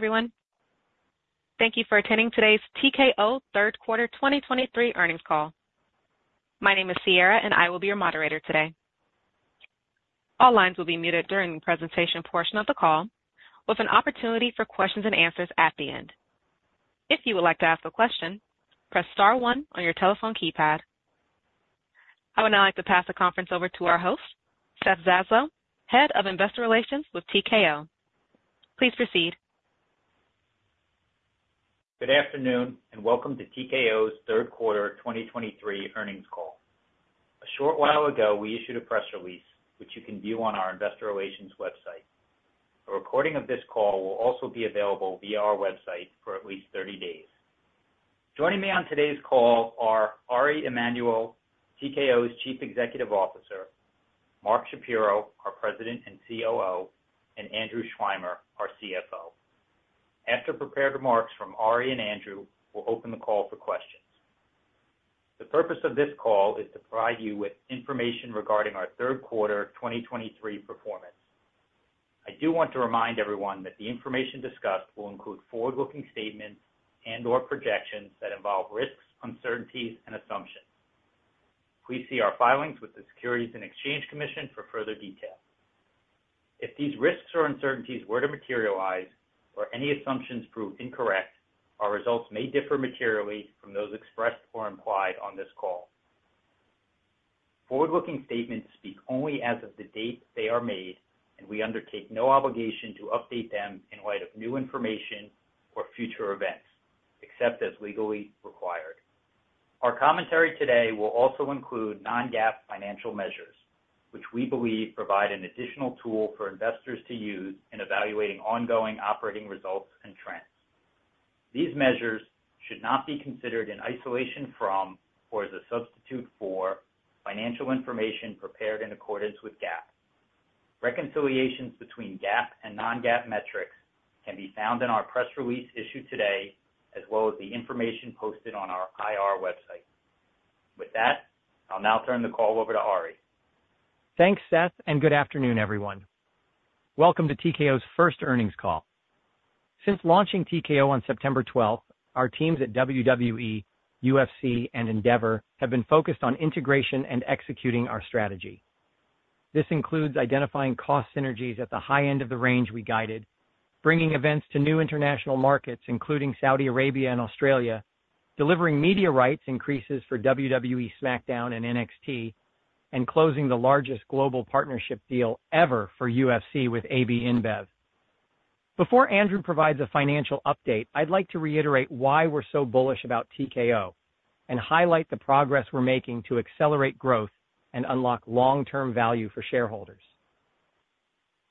Hello, everyone. Thank you for attending today's TKO third quarter 2023 earnings call. My name is Sierra, and I will be your moderator today. All lines will be muted during the presentation portion of the call, with an opportunity for questions and answers at the end. If you would like to ask a question, press star one on your telephone keypad. I would now like to pass the conference over to our host, Seth Zaslow, Head of Investor Relations with TKO. Please proceed. Good afternoon, and welcome to TKO's third quarter 2023 earnings call. A short while ago, we issued a press release, which you can view on our investor relations website. A recording of this call will also be available via our website for at least 30 days. Joining me on today's call are Ari Emanuel, TKO's Chief Executive Officer, Mark Shapiro, our President and COO, and Andrew Schleimer, our CFO. After prepared remarks from Ari and Andrew, we'll open the call for questions. The purpose of this call is to provide you with information regarding our third quarter 2023 performance. I do want to remind everyone that the information discussed will include forward-looking statements and/or projections that involve risks, uncertainties, and assumptions. Please see our filings with the Securities and Exchange Commission for further detail. If these risks or uncertainties were to materialize or any assumptions prove incorrect, our results may differ materially from those expressed or implied on this call. Forward-looking statements speak only as of the date they are made, and we undertake no obligation to update them in light of new information or future events, except as legally required. Our commentary today will also include non-GAAP financial measures, which we believe provide an additional tool for investors to use in evaluating ongoing operating results and trends. These measures should not be considered in isolation from or as a substitute for financial information prepared in accordance with GAAP. Reconciliations between GAAP and non-GAAP metrics can be found in our press release issued today, as well as the information posted on our IR website. With that, I'll now turn the call over to Ari. Thanks, Seth, and good afternoon, everyone. Welcome to TKO's first earnings call. Since launching TKO on September 12th, our teams at WWE, UFC, and Endeavor have been focused on integration and executing our strategy. This includes identifying cost synergies at the high end of the range we guided, bringing events to new international markets, including Saudi Arabia and Australia, delivering media rights increases for WWE SmackDown and NXT, and closing the largest global partnership deal ever for UFC with AB InBev. Before Andrew provides a financial update, I'd like to reiterate why we're so bullish about TKO and highlight the progress we're making to accelerate growth and unlock long-term value for shareholders.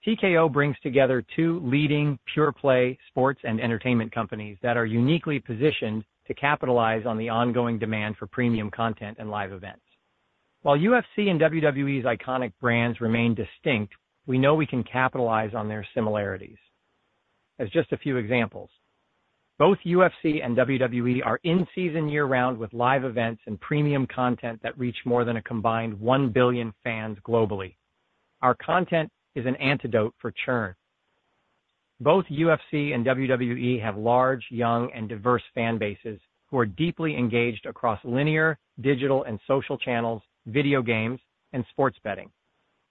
TKO brings together two leading pure play sports and entertainment companies that are uniquely positioned to capitalize on the ongoing demand for premium content and live events. While UFC and WWE's iconic brands remain distinct, we know we can capitalize on their similarities. As just a few examples, both UFC and WWE are in season year-round with live events and premium content that reach more than a combined 1 billion fans globally. Our content is an antidote for churn. Both UFC and WWE have large, young, and diverse fan bases who are deeply engaged across linear, digital, and social channels, video games, and sports betting.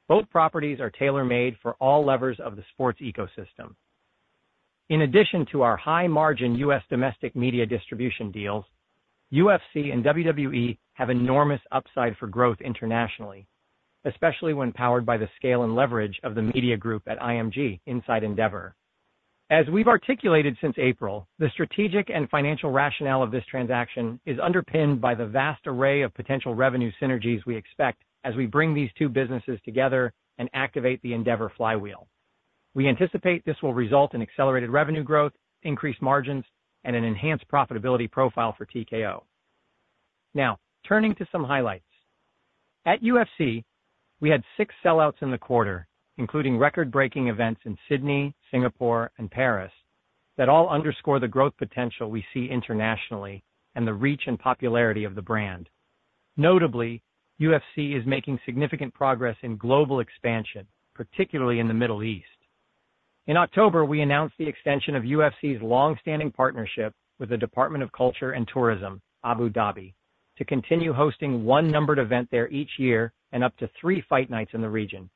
Both properties are tailor-made for all levers of the sports ecosystem. In addition to our high-margin U.S. domestic media distribution deals, UFC and WWE have enormous upside for growth internationally, especially when powered by the scale and leverage of the media group at IMG inside Endeavor. As we've articulated since April, the strategic and financial rationale of this transaction is underpinned by the vast array of potential revenue synergies we expect as we bring these two businesses together and activate the Endeavor flywheel. We anticipate this will result in accelerated revenue growth, increased margins, and an enhanced profitability profile for TKO. Now, turning to some highlights. At UFC, we had six sellouts in the quarter, including record-breaking events in Sydney, Singapore, and Paris, that all underscore the growth potential we see internationally and the reach and popularity of the brand. Notably, UFC is making significant progress in global expansion, particularly in the Middle East. In October, we announced the extension of UFC's long-standing partnership with the Department of Culture and Tourism – Abu Dhabi to continue hosting one numbered event there each year and up to three fight nights in the region.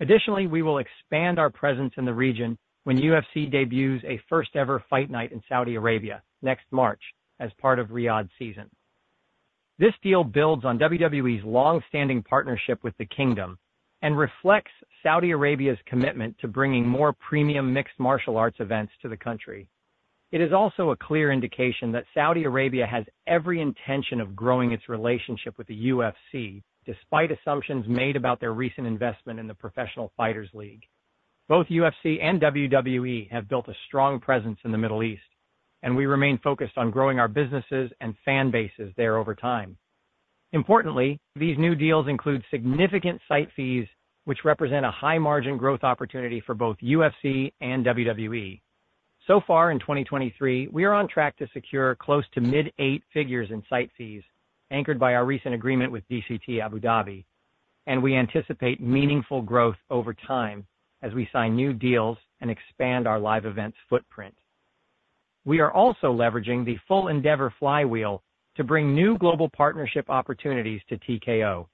Additionally, we will expand our presence in the region when UFC debuts a first-ever fight night in Saudi Arabia next March as part of Riyadh Season. This deal builds on WWE's long-standing partnership with the Kingdom and reflects Saudi Arabia's commitment to bringing more premium mixed martial arts events to the country. It is also a clear indication that Saudi Arabia has every intention of growing its relationship with the UFC, despite assumptions made about their recent investment in the Professional Fighters League. Both UFC and WWE have built a strong presence in the Middle East, and we remain focused on growing our businesses and fan bases there over time. Importantly, these new deals include significant site fees, which represent a high-margin growth opportunity for both UFC and WWE. So far in 2023, we are on track to secure close to mid-8 figures in site fees, anchored by our recent agreement with DCT Abu Dhabi, and we anticipate meaningful growth over time as we sign new deals and expand our live events footprint. We are also leveraging the full Endeavor flywheel to bring new global partnership opportunities to TKO.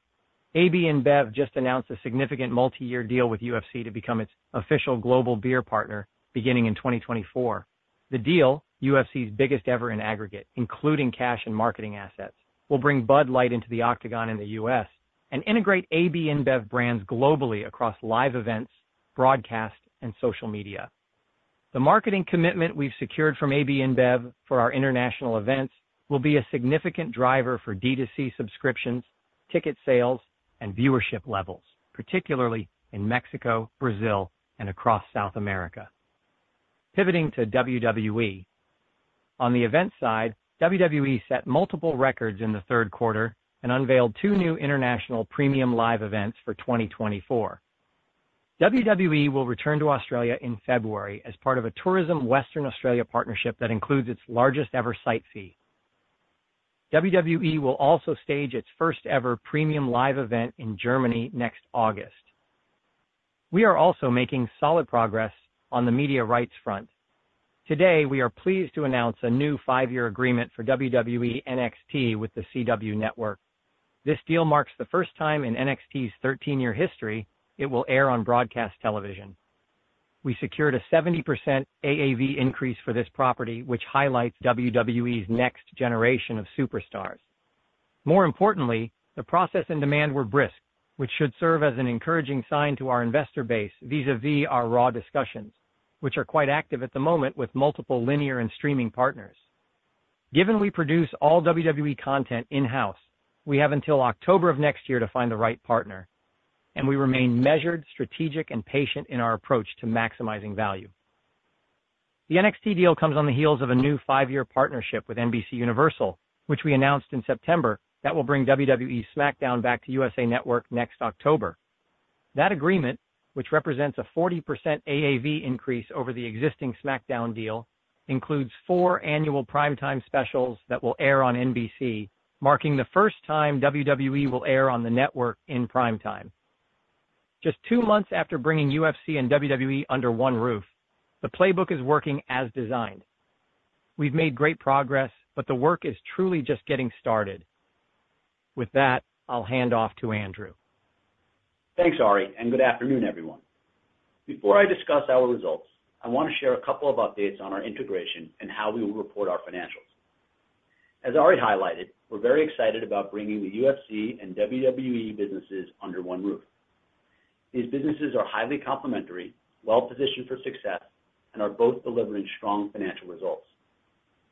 AB InBev just announced a significant multiyear deal with UFC to become its official global beer partner beginning in 2024. The deal, UFC's biggest ever in aggregate, including cash and marketing assets, will bring Bud Light into the octagon in the U.S. and integrate AB InBev brands globally across live events, broadcast, and social media. The marketing commitment we've secured from AB InBev for our international events will be a significant driver for D2C subscriptions, ticket sales, and viewership levels, particularly in Mexico, Brazil, and across South America. Pivoting to WWE. On the event side, WWE set multiple records in the third quarter and unveiled 2 new international premium live events for 2024. WWE will return to Australia in February as part of a Tourism Western Australia partnership that includes its largest-ever site fee. WWE will also stage its first-ever premium live event in Germany next August. We are also making solid progress on the media rights front. Today, we are pleased to announce a new 5-year agreement for WWE NXT with the CW Network. This deal marks the first time in NXT's 13-year history it will air on broadcast television. We secured a 70% AAV increase for this property, which highlights WWE's next generation of superstars. More importantly, the process and demand were brisk, which should serve as an encouraging sign to our investor base vis-à-vis our RAW discussions, which are quite active at the moment with multiple linear and streaming partners. Given we produce all WWE content in-house, we have until October of next year to find the right partner, and we remain measured, strategic, and patient in our approach to maximizing value. The NXT deal comes on the heels of a new five-year partnership with NBCUniversal, which we announced in September, that will bring WWE SmackDown back to USA Network next October. That agreement, which represents a 40% AAV increase over the existing SmackDown deal, includes four annual prime-time specials that will air on NBC, marking the first time WWE will air on the network in prime time. Just two months after bringing UFC and WWE under one roof, the playbook is working as designed. We've made great progress, but the work is truly just getting started. With that, I'll hand off to Andrew. Thanks, Ari, and good afternoon, everyone. Before I discuss our results, I want to share a couple of updates on our integration and how we will report our financials. As Ari highlighted, we're very excited about bringing the UFC and WWE businesses under one roof. These businesses are highly complementary, well-positioned for success, and are both delivering strong financial results.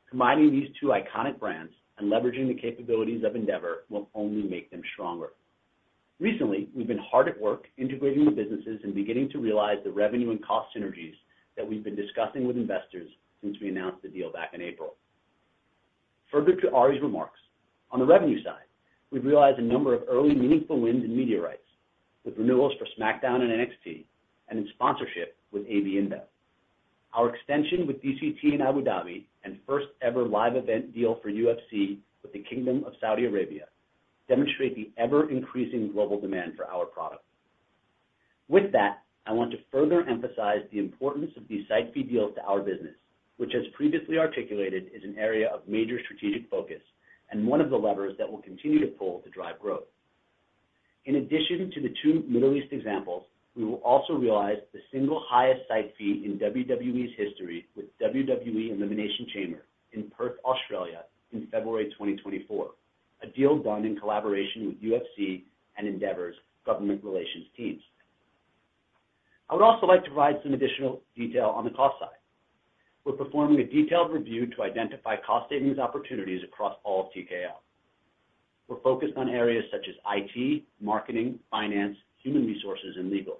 Combining these two iconic brands and leveraging the capabilities of Endeavor will only make them stronger. Recently, we've been hard at work integrating the businesses and beginning to realize the revenue and cost synergies that we've been discussing with investors since we announced the deal back in April. Further to Ari's remarks, on the revenue side, we've realized a number of early meaningful wins in media rights, with renewals for SmackDown and NXT, and in sponsorship with AB InBev. Our extension with DCT in Abu Dhabi and first-ever live event deal for UFC with the Kingdom of Saudi Arabia demonstrate the ever-increasing global demand for our product. With that, I want to further emphasize the importance of these site fee deals to our business, which, as previously articulated, is an area of major strategic focus and one of the levers that we'll continue to pull to drive growth. In addition to the two Middle East examples, we will also realize the single highest site fee in WWE's history with WWE Elimination Chamber in Perth, Australia, in February 2024, a deal done in collaboration with UFC and Endeavor's government relations teams. I would also like to provide some additional detail on the cost side. We're performing a detailed review to identify cost savings opportunities across all of TKO. We're focused on areas such as IT, marketing, finance, human resources, and legal.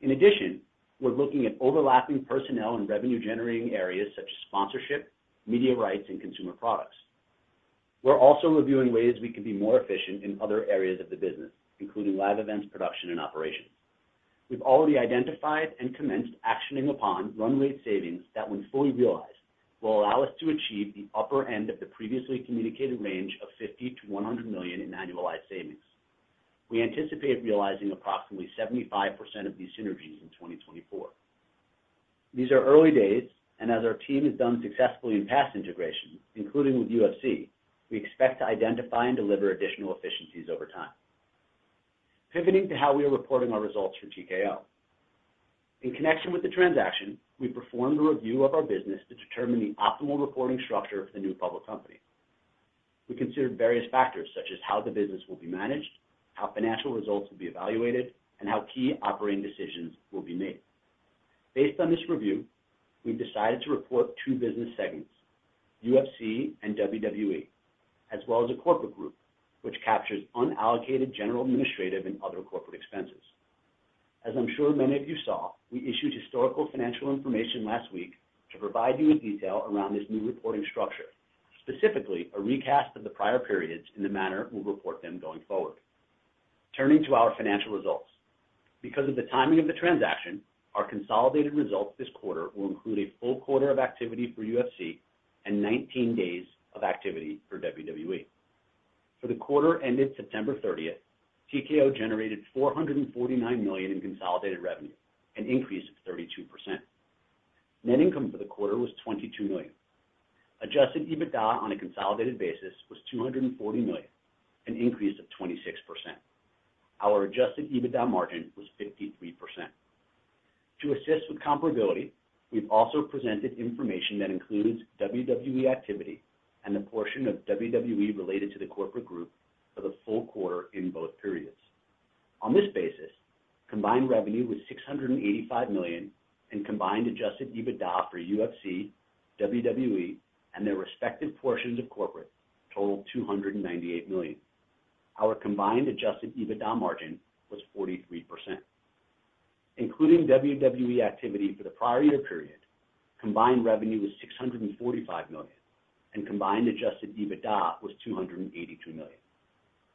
In addition, we're looking at overlapping personnel and revenue-generating areas such as sponsorship, media rights, and consumer products. We're also reviewing ways we can be more efficient in other areas of the business, including live events, production, and operations. We've already identified and commenced actioning upon runway savings that, when fully realized, will allow us to achieve the upper end of the previously communicated range of $50 million-$100 million in annualized savings. We anticipate realizing approximately 75% of these synergies in 2024. These are early days, and as our team has done successfully in past integrations, including with UFC, we expect to identify and deliver additional efficiencies over time. Pivoting to how we are reporting our results for TKO. In connection with the transaction, we performed a review of our business to determine the optimal reporting structure for the new public company. We considered various factors, such as how the business will be managed, how financial results will be evaluated, and how key operating decisions will be made. Based on this review, we've decided to report two business segments, UFC and WWE, as well as a corporate group, which captures unallocated, general, administrative, and other corporate expenses. As I'm sure many of you saw, we issued historical financial information last week to provide you with detail around this new reporting structure, specifically a recast of the prior periods in the manner we'll report them going forward. Turning to our financial results. Because of the timing of the transaction, our consolidated results this quarter will include a full quarter of activity for UFC and 19 days of activity for WWE. For the quarter ended September 30th, TKO generated $449 million in consolidated revenue, an increase of 32%. Net income for the quarter was $22 million. Adjusted EBITDA on a consolidated basis was $240 million, an increase of 26%. Our adjusted EBITDA margin was 53%. To assist with comparability, we've also presented information that includes WWE activity and the portion of WWE related to the corporate group for the full quarter in both periods. On this basis, combined revenue was $685 million, and combined adjusted EBITDA for UFC, WWE, and their respective portions of corporate totaled $298 million. Our combined adjusted EBITDA margin was 43%. Including WWE activity for the prior year period, combined revenue was $645 million, and combined adjusted EBITDA was $282 million.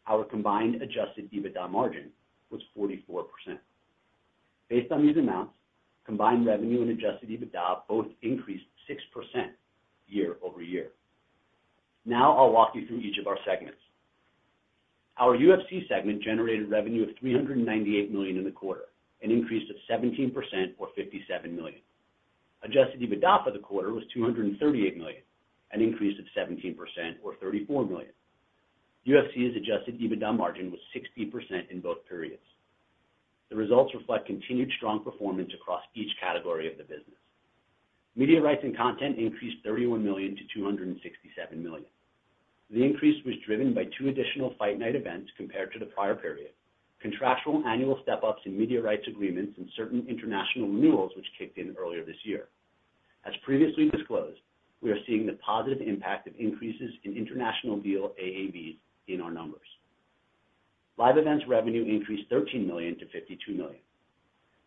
Our combined adjusted EBITDA margin was 44%. Based on these amounts, combined revenue and adjusted EBITDA both increased 6% year-over-year. Now I'll walk you through each of our segments. Our UFC segment generated revenue of $398 million in the quarter, an increase of 17% or $57 million. Adjusted EBITDA for the quarter was $238 million, an increase of 17% or $34 million. UFC's adjusted EBITDA margin was 60% in both periods. The results reflect continued strong performance across each category of the business. Media rights and content increased $31 million-$267 million. The increase was driven by two additional fight night events compared to the prior period, contractual annual step-ups in media rights agreements, and certain international renewals which kicked in earlier this year. As previously disclosed, we are seeing the positive impact of increases in international deal AAVs in our numbers. Live events revenue increased $13 million-$52 million.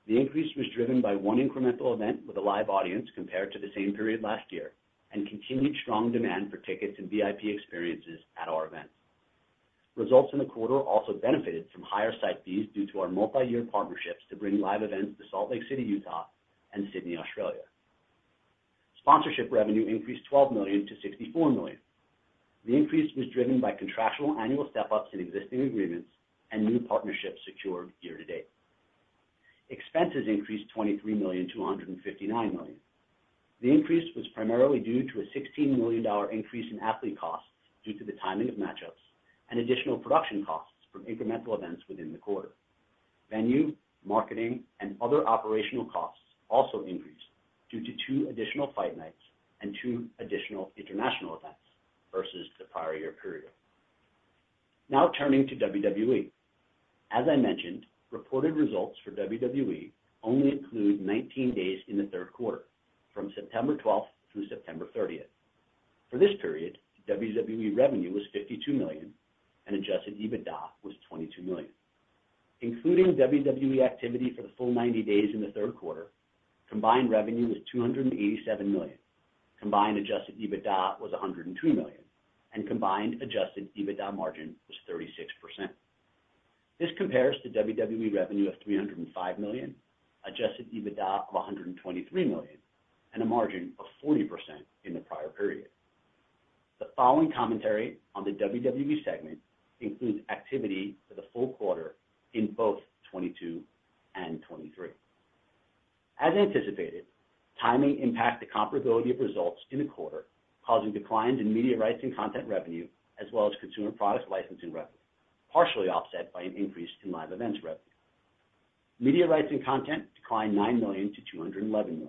The increase was driven by one incremental event with a live audience compared to the same period last year, and continued strong demand for tickets and VIP experiences at our events. Results in the quarter also benefited from higher site fees due to our multiyear partnerships to bring live events to Salt Lake City, Utah and Sydney, Australia. Sponsorship revenue increased $12 million-$64 million. The increase was driven by contractual annual step-ups in existing agreements and new partnerships secured year to date. Expenses increased $23 million-$259 million. The increase was primarily due to a $16 million increase in athlete costs due to the timing of match-ups and additional production costs from incremental events within the quarter. Venue, marketing, and other operational costs also increased due to two additional fight nights and two additional international events versus the prior year period. Now turning to WWE. As I mentioned, reported results for WWE only include 19 days in the third quarter, from September twelfth through September thirtieth. For this period, WWE revenue was $52 million, and Adjusted EBITDA was $22 million. Including WWE activity for the full 90 days in the third quarter, combined revenue was $287 million. Combined Adjusted EBITDA was $102 million, and combined Adjusted EBITDA margin was 36%. This compares to WWE revenue of $305 million, Adjusted EBITDA of $123 million, and a margin of 40% in the prior period. The following commentary on the WWE segment includes activity for the full quarter in both 2022 and 2023. As anticipated, timing impacted the comparability of results in the quarter, causing declines in media rights and content revenue, as well as consumer products licensing revenue, partially offset by an increase in live events revenue. Media rights and content declined $9 million-$211 million.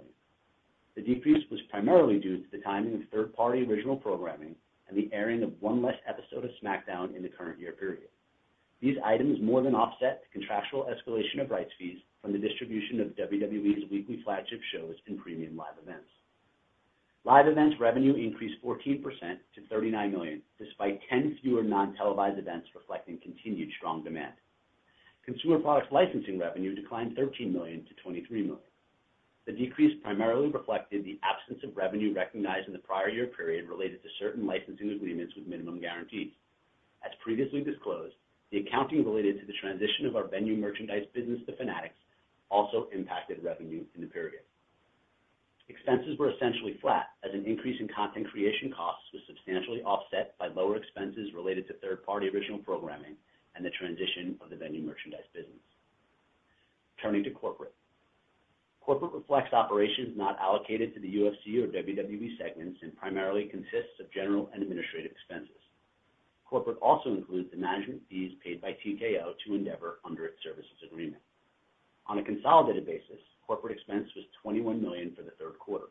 The decrease was primarily due to the timing of third-party original programming and the airing of one less episode of SmackDown in the current year period. These items more than offset the contractual escalation of rights fees from the distribution of WWE's weekly flagship shows and premium live events. Live events revenue increased 14% to $39 million, despite 10 fewer non-televised events reflecting continued strong demand. Consumer products licensing revenue declined $13 million-$23 million. The decrease primarily reflected the absence of revenue recognized in the prior year period related to certain licensing agreements with minimum guarantees. As previously disclosed, the accounting related to the transition of our venue merchandise business to Fanatics also impacted revenue in the period. Expenses were essentially flat as an increase in content creation costs was substantially offset by lower expenses related to third-party original programming and the transition of the venue merchandise business. Turning to corporate. Corporate reflects operations not allocated to the UFC or WWE segments and primarily consists of general and administrative expenses. Corporate also includes the management fees paid by TKO to Endeavor under its services agreement. On a consolidated basis, corporate expense was $21 million for the third quarter.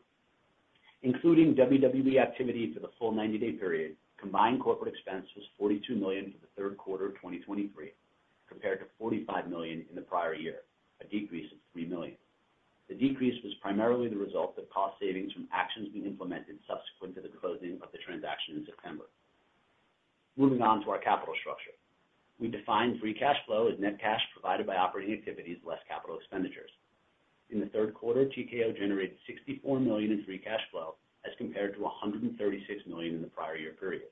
Including WWE activity for the full 90-day period, combined corporate expense was $42 million for the third quarter of 2023, compared to $45 million in the prior year, a decrease of $3 million. The decrease was primarily the result of cost savings from actions we implemented subsequent to the closing of the transaction in September. Moving on to our capital structure. We define free cash flow as net cash provided by operating activities less capital expenditures. In the third quarter, TKO generated $64 million in free cash flow as compared to $136 million in the prior year period.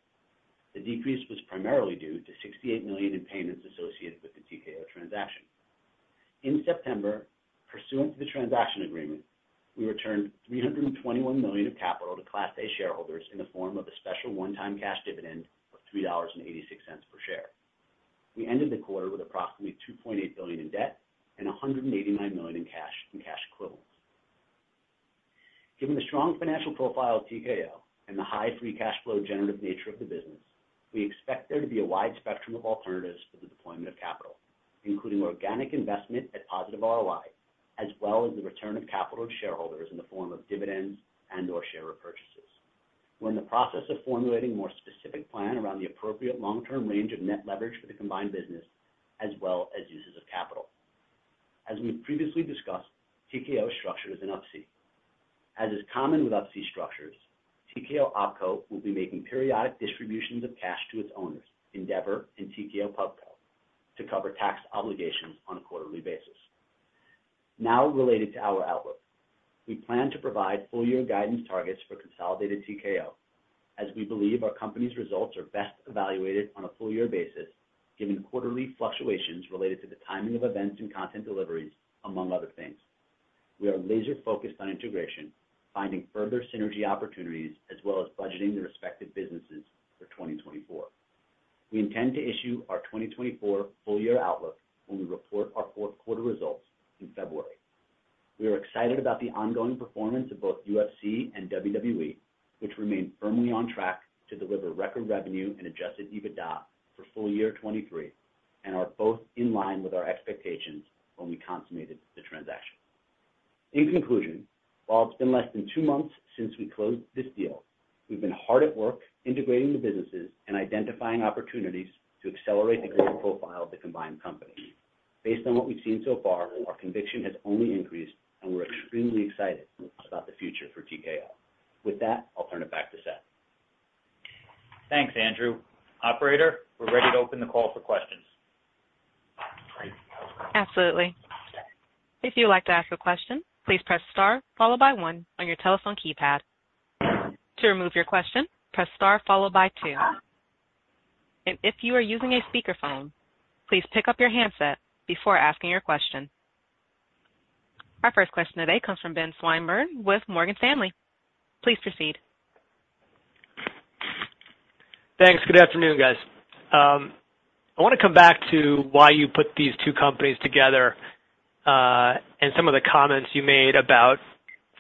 The decrease was primarily due to $68 million in payments associated with the TKO transaction. In September, pursuant to the transaction agreement, we returned $321 million of capital to Class A shareholders in the form of a special one-time cash dividend of $3.86 per share. We ended the quarter with approximately $2.8 billion in debt and $189 million in cash and cash equivalents. Given the strong financial profile of TKO and the high free cash flow generative nature of the business, we expect there to be a wide spectrum of alternatives for the deployment of capital, including organic investment at positive ROI, as well as the return of capital to shareholders in the form of dividends and/or share repurchases. We're in the process of formulating a more specific plan around the appropriate long-term range of net leverage for the combined business, as well as uses of capital. As we've previously discussed, TKO is structured as a Up-C. As is common with Up-C structures, TKO OpCo will be making periodic distributions of cash to its owners, Endeavor and TKO PubCo, to cover tax obligations on a quarterly basis. Now, related to our outlook. We plan to provide full year guidance targets for consolidated TKO, as we believe our company's results are best evaluated on a full year basis, given quarterly fluctuations related to the timing of events and content deliveries, among other things. We are laser focused on integration, finding further synergy opportunities, as well as budgeting the respective businesses for 2024. We intend to issue our 2024 full year outlook when we report our fourth quarter results in February. We are excited about the ongoing performance of both UFC and WWE, which remain firmly on track to deliver record revenue and Adjusted EBITDA for full year 2023, and are both in line with our expectations when we consummated the transaction. In conclusion, while it's been less than two months since we closed this deal, we've been hard at work integrating the businesses and identifying opportunities to accelerate the growth profile of the combined company. Based on what we've seen so far, our conviction has only increased, and we're extremely excited about the future for TKO. With that, I'll turn it back to Seth. Thanks, Andrew. Operator, we're ready to open the call for questions. Absolutely. If you'd like to ask a question, please press star followed by one on your telephone keypad. To remove your question, press star followed by two. And if you are using a speakerphone, please pick up your handset before asking your question. Our first question today comes from Ben Swinburne with Morgan Stanley. Please proceed. Thanks. Good afternoon, guys. I want to come back to why you put these two companies together, and some of the comments you made about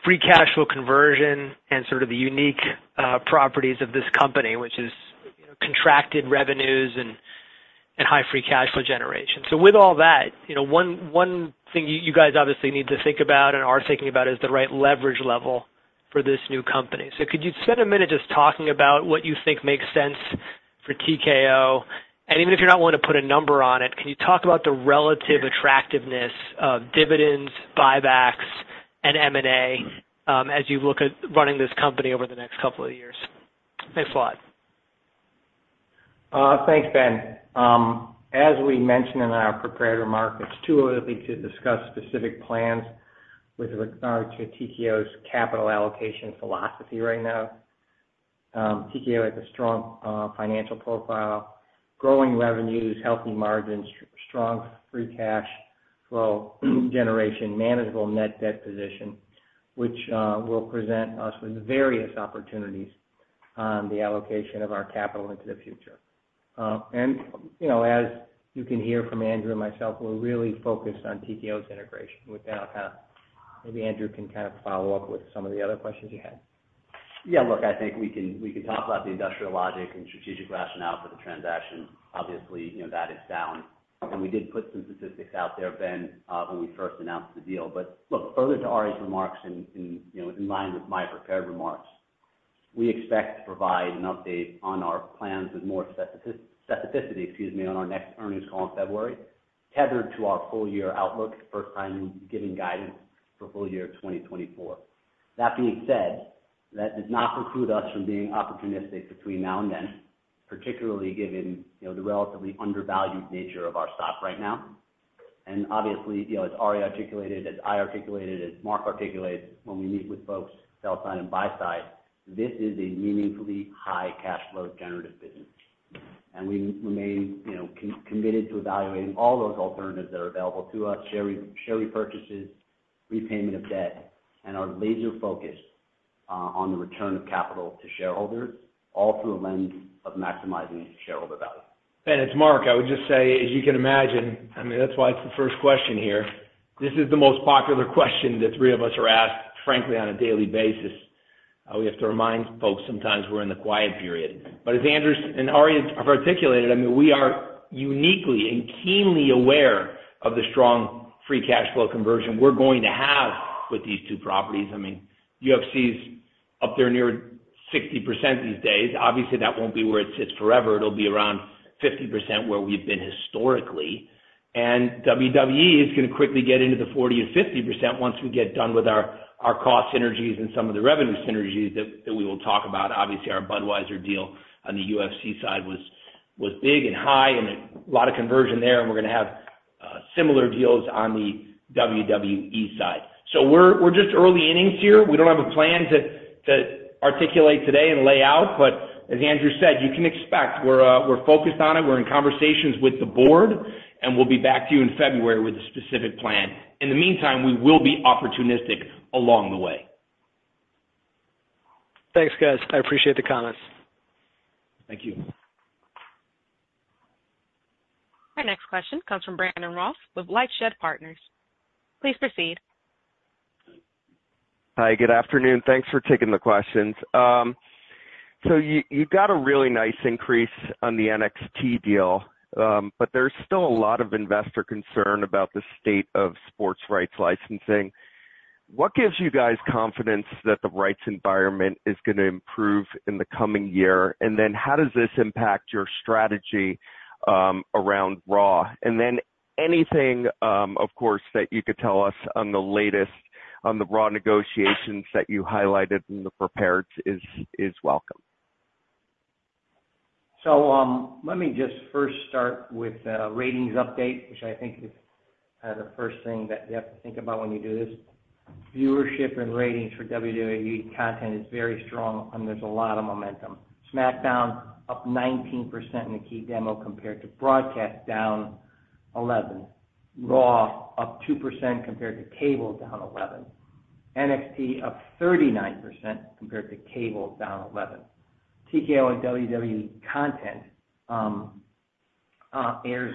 free cash flow conversion and sort of the unique properties of this company, which is contracted revenues and high free cash flow generation. So with all that, you know, one thing you guys obviously need to think about and are thinking about is the right leverage level for this new company. So could you spend a minute just talking about what you think makes sense for TKO? And even if you're not wanting to put a number on it, can you talk about the relative attractiveness of dividends, buybacks, and M&A, as you look at running this company over the next couple of years? Thanks a lot. Thanks, Ben. As we mentioned in our prepared remarks, it's too early to discuss specific plans with regard to TKO's capital allocation philosophy right now. TKO has a strong financial profile, growing revenues, healthy margins, strong free cash flow generation, manageable net debt position, which will present us with various opportunities on the allocation of our capital into the future. And, you know, as you can hear from Andrew and myself, we're really focused on TKO's integration. With that, I'll have maybe Andrew can kind of follow up with some of the other questions you had. Yeah, look, I think we can, we can talk about the industrial logic and strategic rationale for the transaction. Obviously, you know, that is sound. We did put some statistics out there, Ben, when we first announced the deal. But look, further to Ari's remarks and, you know, in line with my prepared remarks, we expect to provide an update on our plans with more specificity, excuse me, on our next earnings call in February, tethered to our full year outlook, first time giving guidance for full year 2024. That being said, that does not preclude us from being opportunistic between now and then, particularly given, you know, the relatively undervalued nature of our stock right now. Obviously, you know, as Ari articulated, as I articulated, as Mark articulated, when we meet with folks sell-side and buy-side, this is a meaningfully high cash flow generative business. We remain, you know, committed to evaluating all those alternatives that are available to us, share repurchases, repayment of debt, and are laser focused on the return of capital to shareholders, all through a lens of maximizing shareholder value. Ben, it's Mark. I would just say, as you can imagine, I mean, that's why it's the first question here. This is the most popular question the three of us are asked, frankly, on a daily basis. We have to remind folks, sometimes we're in the quiet period. But as Andrew and Ari have articulated, I mean, we are uniquely and keenly aware of the strong free cash flow conversion we're going to have with these two properties. I mean, UFC is up there near 60% these days. Obviously, that won't be where it sits forever. It'll be around 50%, where we've been historically. And WWE is going to quickly get into the 40% or 50% once we get done with our, our cost synergies and some of the revenue synergies that, that we will talk about. Obviously, our Budweiser deal on the UFC side was... was big and high, and a lot of conversion there, and we're going to have similar deals on the WWE side. So we're just early innings here. We don't have a plan to articulate today and lay out, but as Andrew said, you can expect we're focused on it. We're in conversations with the board, and we'll be back to you in February with a specific plan. In the meantime, we will be opportunistic along the way. Thanks, guys. I appreciate the comments. Thank you. Our next question comes from Brandon Ross with Lightshed Partners. Please proceed. Hi, good afternoon. Thanks for taking the questions. So you, you've got a really nice increase on the NXT deal, but there's still a lot of investor concern about the state of sports rights licensing. What gives you guys confidence that the rights environment is going to improve in the coming year? And then how does this impact your strategy around RAW? And then anything, of course, that you could tell us on the latest on the RAW negotiations that you highlighted in the prepared is, is welcome. So, let me just first start with a ratings update, which I think is kind of the first thing that you have to think about when you do this. Viewership and ratings for WWE content is very strong, and there's a lot of momentum. SmackDown, up 19% in the key demo compared to broadcast, down 11%. RAW, up 2% compared to cable, down 11%. NXT, up 39% compared to cable, down 11%. TKO and WWE content airs.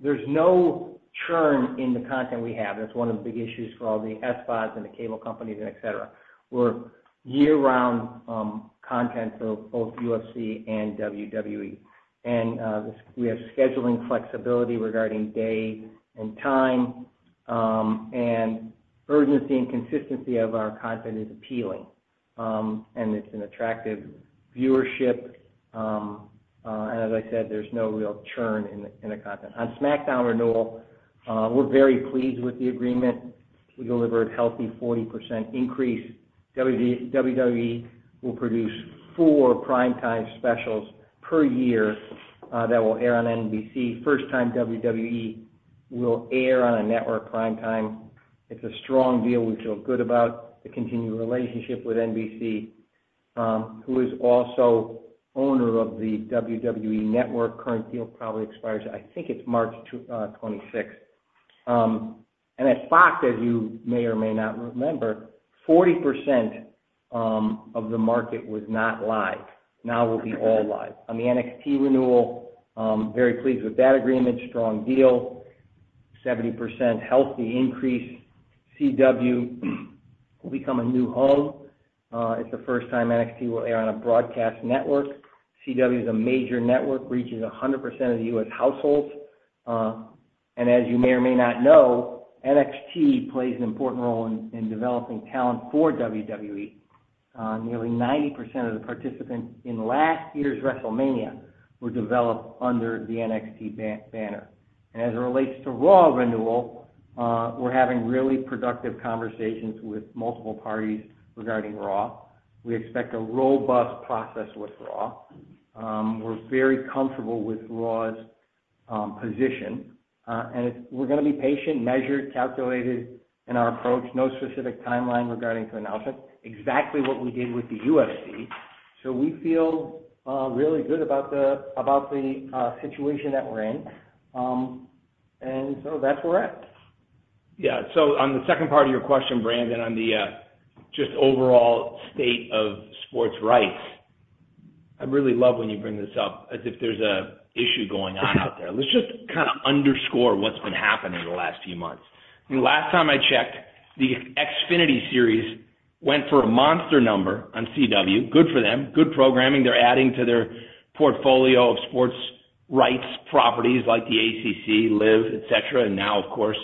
There's no churn in the content we have. That's one of the big issues for all the SVoD and the cable companies and et cetera. We're year-round content for both UFC and WWE, and we have scheduling flexibility regarding day and time, and urgency and consistency of our content is appealing, and it's an attractive viewership. And as I said, there's no real churn in the content. On SmackDown renewal, we're very pleased with the agreement. We delivered a healthy 40% increase. WWE will produce four primetime specials per year, that will air on NBC. First time WWE will air on a network primetime. It's a strong deal. We feel good about the continued relationship with NBC, who is also owner of the WWE Network. Current deal probably expires, I think it's March 26th. And at Fox, as you may or may not remember, 40% of the market was not live. Now, we'll be all live. On the NXT renewal, very pleased with that agreement. Strong deal, 70% healthy increase. CW will become a new home. It's the first time NXT will air on a broadcast network. CW is a major network, reaches 100% of the U.S. households. And as you may or may not know, NXT plays an important role in developing talent for WWE. Nearly 90% of the participants in last year's WrestleMania were developed under the NXT banner. And as it relates to RAW renewal, we're having really productive conversations with multiple parties regarding RAW. We expect a robust process with RAW. We're very comfortable with RAW's position, and we're going to be patient, measured, calculated in our approach. No specific timeline regarding to announcement, exactly what we did with the UFC. So we feel really good about the situation that we're in. And so that's where we're at. Yeah. So on the second part of your question, Brandon, on the just overall state of sports rights, I really love when you bring this up as if there's an issue going on out there. Let's just kind of underscore what's been happening in the last few months. The last time I checked, the Xfinity Series went for a monster number on CW. Good for them, good programming. They're adding to their portfolio of sports rights, properties like the ACC, LIV, et cetera. And now, of course,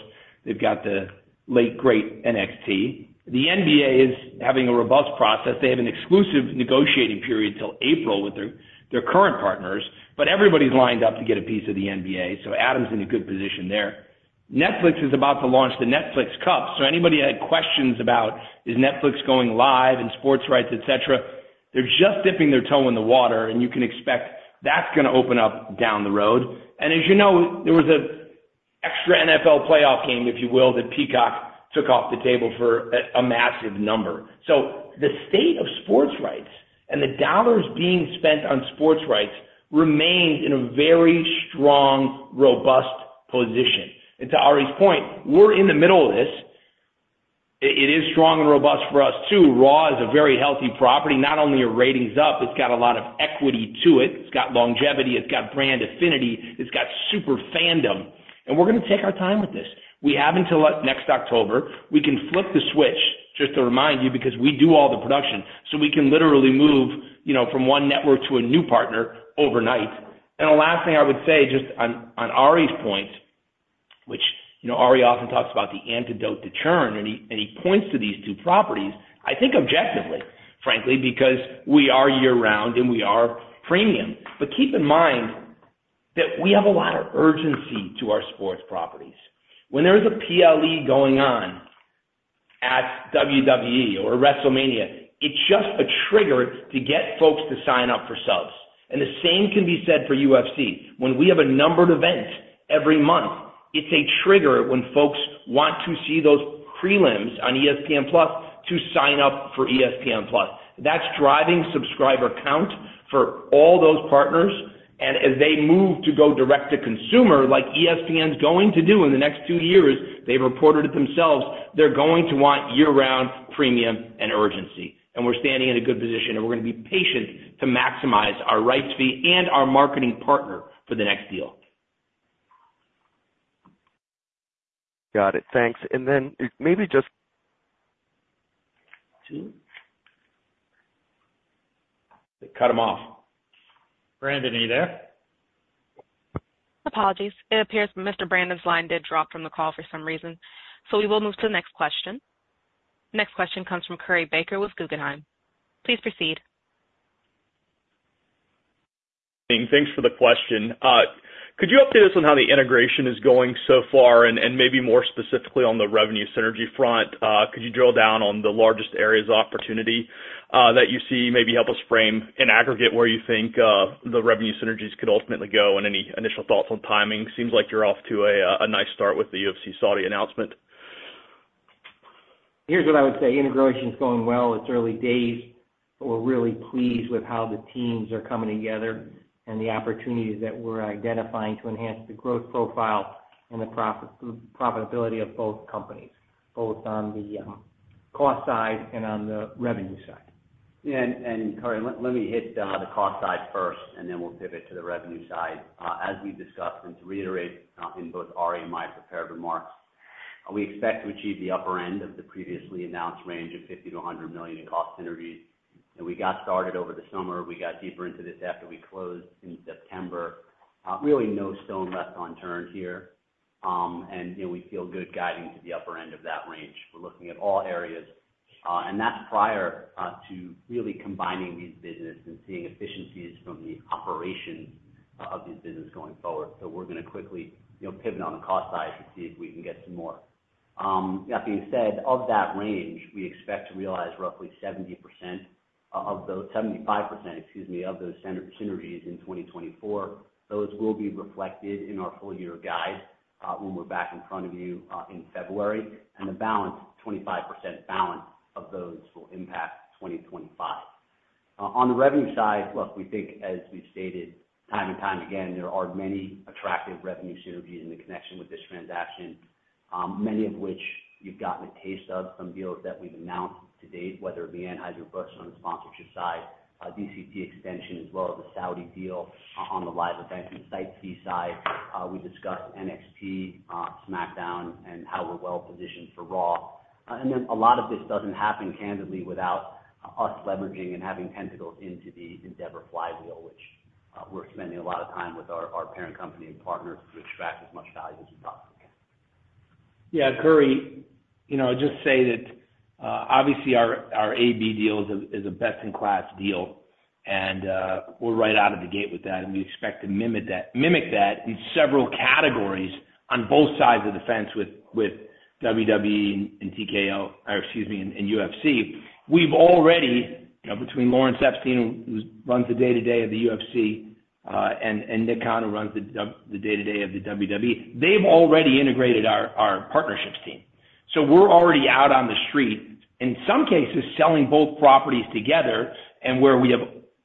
they've got the late great NXT. The NBA is having a robust process. They have an exclusive negotiating period till April with their current partners, but everybody's lined up to get a piece of the NBA, so Adam's in a good position there. Netflix is about to launch the Netflix Cup, so anybody that had questions about, is Netflix going live and sports rights, et cetera, they're just dipping their toe in the water, and you can expect that's going to open up down the road. As you know, there was an extra NFL playoff game, if you will, that Peacock took off the table for a, a massive number. So the state of sports rights and the dollars being spent on sports rights remains in a very strong, robust position. To Ari's point, we're in the middle of this. It is strong and robust for us, too. RAW is a very healthy property. Not only are ratings up, it's got a lot of equity to it. It's got longevity, it's got brand affinity, it's got super fandom, and we're going to take our time with this. We have until next October. We can flip the switch, just to remind you, because we do all the production, so we can literally move, you know, from one network to a new partner overnight. And the last thing I would say, just on, on Ari's point, which, you know, Ari often talks about the antidote to churn, and he, and he points to these two properties, I think objectively, frankly, because we are year-round and we are premium. But keep in mind that we have a lot of urgency to our sports properties. When there is a PLE going on at WWE or WrestleMania. It's just a trigger to get folks to sign up for subs. And the same can be said for UFC. When we have a numbered event every month, it's a trigger when folks want to see those prelims on ESPN+ to sign up for ESPN+. That's driving subscriber count for all those partners, and as they move to go direct to consumer, like ESPN's going to do in the next two years, they've reported it themselves, they're going to want year-round premium and urgency. And we're standing in a good position, and we're going to be patient to maximize our rights fee and our marketing partner for the next deal. Got it. Thanks. And then maybe just- They cut him off. Brandon, are you there? Apologies. It appears Mr. Brandon's line did drop from the call for some reason, so we will move to the next question. Next question comes from Curry Baker with Guggenheim. Please proceed. Thanks for the question. Could you update us on how the integration is going so far, and maybe more specifically on the revenue synergy front, could you drill down on the largest areas of opportunity that you see, maybe help us frame in aggregate where you think the revenue synergies could ultimately go and any initial thoughts on timing? Seems like you're off to a nice start with the UFC Saudi announcement. Here's what I would say: Integration is going well. It's early days, but we're really pleased with how the teams are coming together and the opportunities that we're identifying to enhance the growth profile and the profitability of both companies, both on the cost side and on the revenue side. Yeah, and Curry, let me hit the cost side first, and then we'll pivot to the revenue side. As we discussed, and to reiterate, in both Ari and my prepared remarks, we expect to achieve the upper end of the previously announced range of $50 million-$100 million in cost synergies. And we got started over the summer. We got deeper into this after we closed in September. Really, no stone left unturned here. And, you know, we feel good guiding to the upper end of that range. We're looking at all areas, and that's prior to really combining these businesses and seeing efficiencies from the operations of these businesses going forward. So we're going to quickly, you know, pivot on the cost side to see if we can get some more. That being said, of that range, we expect to realize roughly 75%, excuse me, of those synergies in 2024. Those will be reflected in our full year guide, when we're back in front of you, in February, and the balance, 25% balance of those will impact 2025. On the revenue side, look, we think, as we've stated time and time again, there are many attractive revenue synergies in the connection with this transaction, many of which you've gotten a taste of from deals that we've announced to date, whether it be Anheuser-Busch on the sponsorship side, DCT extension, as well as the Saudi deal on the live event and site fee side. We discussed NXT, SmackDown, and how we're well positioned for Raw. And then a lot of this doesn't happen candidly, without us leveraging and having tentacles into the Endeavor flywheel, which we're spending a lot of time with our parent company and partners to extract as much value as we possibly can. Yeah, Curry, you know, just say that, obviously, our AB deal is a best-in-class deal, and we're right out of the gate with that, and we expect to mimic that in several categories on both sides of the fence with WWE and TKO, or excuse me, and UFC. We've already, you know, between Lawrence Epstein, who runs the day-to-day of the UFC, and Nick Khan, who runs the day-to-day of the WWE, they've already integrated our partnerships team. So we're already out on the street, in some cases, selling both properties together, and where we have,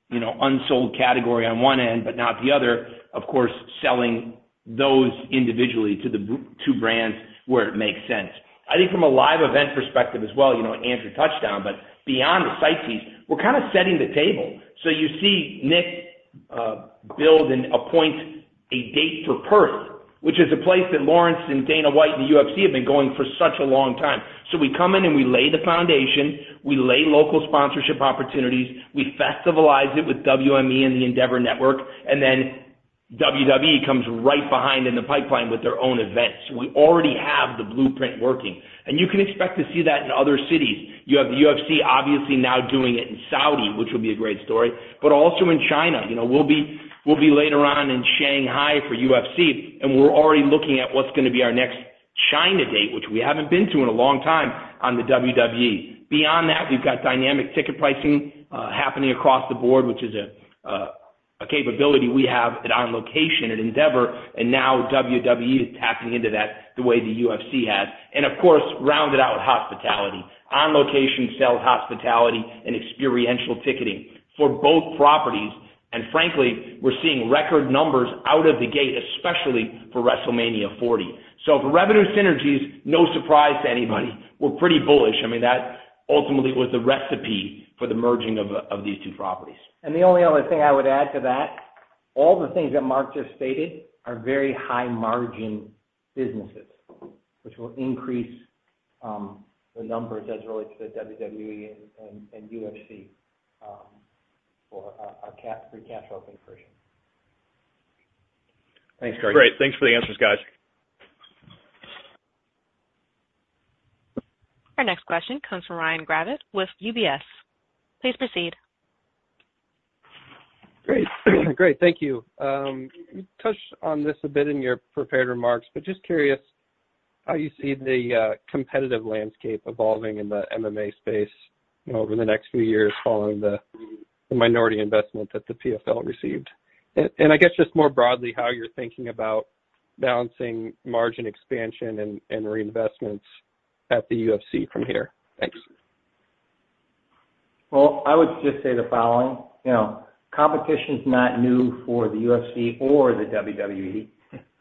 you know, unsold category on one end but not the other, of course, selling those individually to the two brands where it makes sense. I think from a live event perspective as well, you know, Andrew touched down, but beyond the site piece, we're kind of setting the table. So you see Nick build and appoint a date for Perth, which is a place that Lawrence and Dana White in the UFC have been going for such a long time. So we come in and we lay the foundation, we lay local sponsorship opportunities, we festivalize it with WME and the Endeavor Network, and then WWE comes right behind in the pipeline with their own events. We already have the blueprint working, and you can expect to see that in other cities. You have the UFC, obviously, now doing it in Saudi, which will be a great story, but also in China. You know, we'll be later on in Shanghai for UFC, and we're already looking at what's going to be our next China date, which we haven't been to in a long time on the WWE. Beyond that, we've got dynamic ticket pricing happening across the board, which is a capability we have at On Location at Endeavor, and now WWE is tapping into that the way the UFC has. And of course, rounded out with hospitality. On Location sells hospitality and experiential ticketing for both properties. And frankly, we're seeing record numbers out of the gate, especially for WrestleMania 40. So for revenue synergies, no surprise to anybody. We're pretty bullish. I mean, that ultimately was the recipe for the merging of these two properties. The only other thing I would add to that, all the things that Mark just stated are very high-margin businesses, which will increase the numbers as it relates to the WWE and UFC for our free cash flow conversion. Thanks, Curry. Great. Thanks for the answers, guys. Our next question comes from Ryan Gravett with UBS. Please proceed. Great, great. Thank you. You touched on this a bit in your prepared remarks, but just curious how you see the competitive landscape evolving in the MMA space, you know, over the next few years following the minority investment that the PFL received? And I guess just more broadly, how you're thinking about balancing margin expansion and reinvestments at the UFC from here? Thanks. Well, I would just say the following, you know, competition's not new for the UFC or the WWE.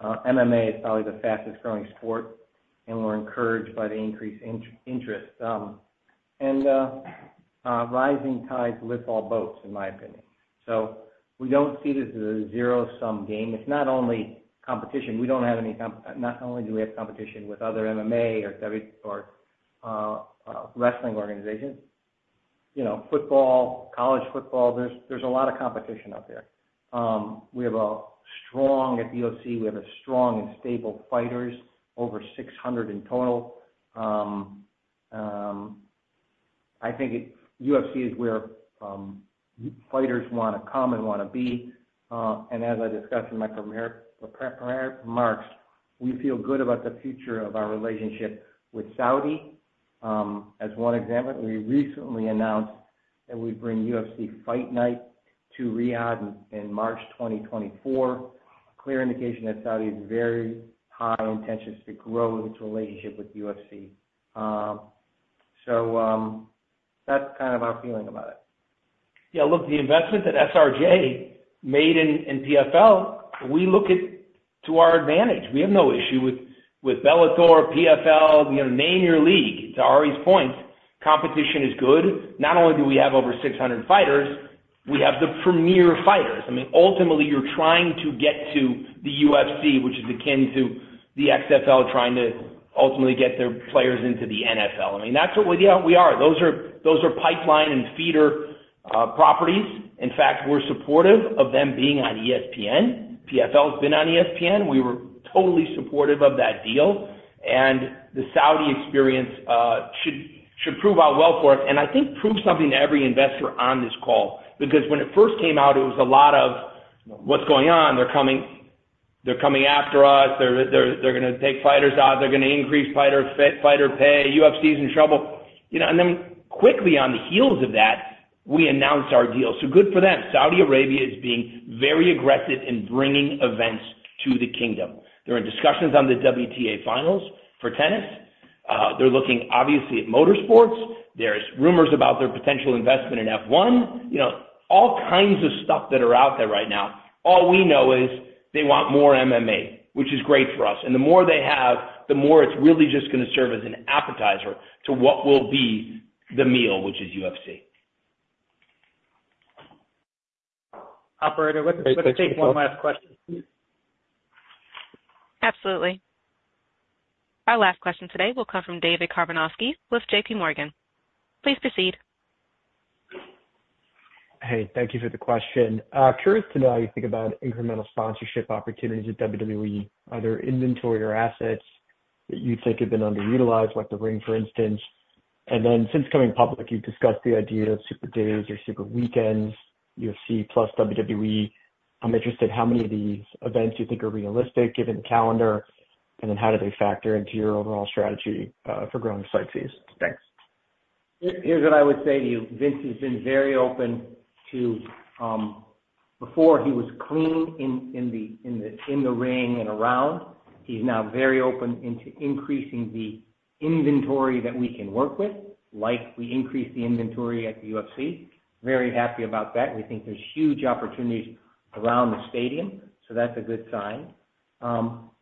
MMA is probably the fastest growing sport, and we're encouraged by the increased interest. And rising tides lifts all boats, in my opinion. So we don't see this as a zero-sum game. It's not only competition, we don't have any—not only do we have competition with other MMA or WWE or wrestling organizations, you know, football, college football, there's a lot of competition out there. We have a strong, at UFC, we have a strong and stable fighters, over 600 in total. I think it—UFC is where fighters wanna come and wanna be. And as I discussed in my prepared remarks, we feel good about the future of our relationship with Saudi. As one example, we recently announced that we'd bring UFC Fight Night to Riyadh in March 2024. Clear indication that Saudi has very high intentions to grow its relationship with UFC. That's kind of our feeling about it. Yeah, look, the investment that SRJ made in, in PFL, we look at to our advantage. We have no issue with, with Bellator, PFL, you know, name your league. To Ari's point, competition is good. Not only do we have over 600 fighters, we have the premier fighters. I mean, ultimately, you're trying to get to the UFC, which is akin to the XFL trying to ultimately get their players into the NFL. I mean, that's what- yeah, we are. Those are, those are pipeline and feeder properties. In fact, we're supportive of them being on ESPN. PFL has been on ESPN. We were totally supportive of that deal, and the Saudi experience should, should prove out well for us, and I think prove something to every investor on this call. Because when it first came out, it was a lot of, "What's going on? They're coming, they're coming after us. They're gonna take fighters out. They're gonna increase fighter pay. UFC's in trouble." You know, and then quickly on the heels of that, we announced our deal. So good for them. Saudi Arabia is being very aggressive in bringing events to the kingdom. There are discussions on the WTA Finals for tennis. They're looking obviously at motorsports. There's rumors about their potential investment in F1. You know, all kinds of stuff that are out there right now. All we know is they want more MMA, which is great for us, and the more they have, the more it's really just gonna serve as an appetizer to what will be the meal, which is UFC. Operator, let's take one last question. Absolutely. Our last question today will come from David Karnovsky with JP Morgan. Please proceed. Hey, thank you for the question. Curious to know how you think about incremental sponsorship opportunities at WWE. Are there inventory or assets that you think have been underutilized, like the ring, for instance? And then since coming public, you've discussed the idea of super days or super weekends, UFC plus WWE. I'm interested, how many of these events you think are realistic given the calendar, and then how do they factor into your overall strategy, for growing site fees? Thanks. Here, here's what I would say to you. Vince has been very open to, before he was clean in the ring and around. He's now very open into increasing the inventory that we can work with, like we increased the inventory at the UFC. Very happy about that. We think there's huge opportunities around the stadium, so that's a good sign.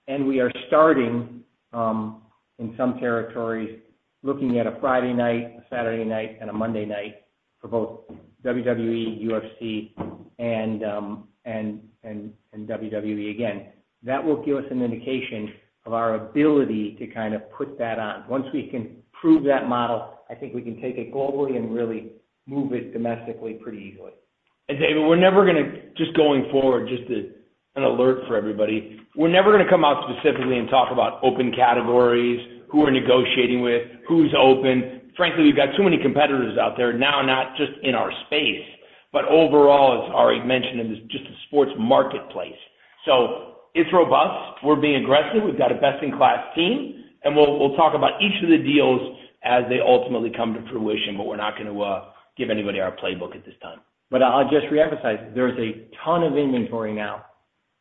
And we are starting in some territories, looking at a Friday night, a Saturday night, and a Monday night for both WWE, UFC and WWE again. That will give us an indication of our ability to kind of put that on. Once we can prove that model, I think we can take it globally and really move it domestically pretty easily. David, we're never gonna... Just going forward, just an alert for everybody, we're never gonna come out specifically and talk about open categories, who we're negotiating with, who's open. Frankly, we've got too many competitors out there now, not just in our space, but overall, as Ari mentioned, in this, just the sports marketplace. So it's robust. We're being aggressive. We've got a best-in-class team, and we'll talk about each of the deals as they ultimately come to fruition, but we're not gonna give anybody our playbook at this time. I'll just reemphasize, there's a ton of inventory now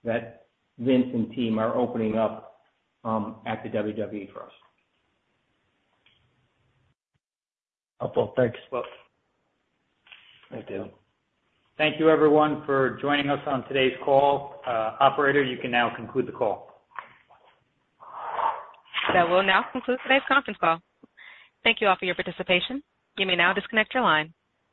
that Vince and team are opening up at the WWE for us. Wonderful. Thanks, folks. Thank you. Thank you everyone for joining us on today's call. Operator, you can now conclude the call. That will now conclude today's conference call. Thank you all for your participation. You may now disconnect your line.